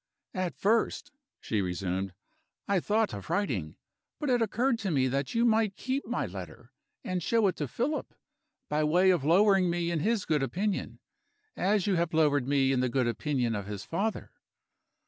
"At first," she resumed, "I thought of writing; but it occurred to me that you might keep my letter, and show it to Philip, by way of lowering me in his good opinion, as you have lowered me in the good opinion of his father.